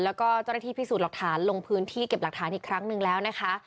แล้วก็เจ้าหน้าที่พิสูจน์หลักฐานลงพื้นที่เก็บหลักฐานอีกครั้งหนึ่งแล้วนะคะ